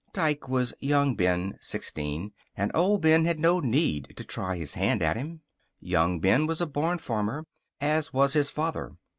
Dike was young Ben, sixteen; and old Ben had no need to try his hand at him. Young Ben was a born farmer, as was his father.